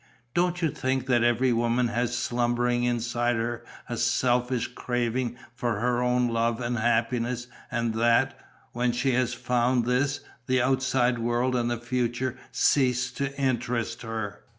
Don't you think that every woman has slumbering inside her a selfish craving for her own love and happiness and that, when she has found this, the outside world and the future cease to interest her?"